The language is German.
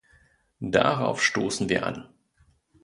Darauf stoßen wir an.